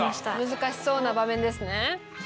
難しそうな場面ですね。